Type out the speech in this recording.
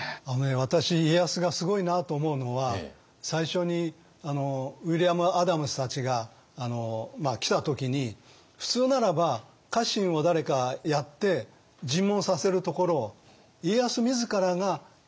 私家康がすごいなと思うのは最初にウィリアム・アダムスたちが来た時に普通ならば家臣を誰かやって尋問させるところを家康自らが尋問に当たってるんですよね。